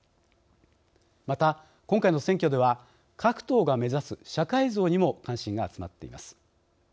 また、今回の選挙では各党が目指す社会像にも関心が集まっています。